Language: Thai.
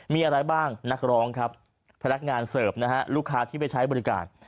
มีอะไรบ้างนักร้องครับพนักงานเสิร์ฟนะฮะลูกค้าที่ไปใช้บริการ